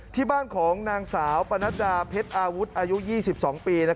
ที่บ้านของนางสาวปนัดดาเพชรอาวุธอายุ๒๒ปี